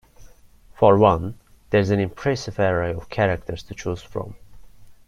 For one, there is an impressive array of characters to choose from.